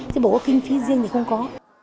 chứ bổ có kinh phí riêng thì không có